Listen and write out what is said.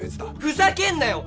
ふざけんなよ！